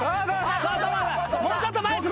もうちょっと前です